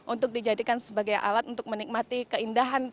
untuk dijadikan sebagai alat untuk menikmati keindahan